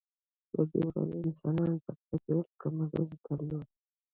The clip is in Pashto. له دې وړاندې انسانانو پر چاپېریال کم اغېز درلود.